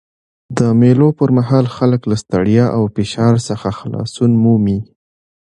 د مېلو پر مهال خلک له ستړیا او فشار څخه خلاصون مومي.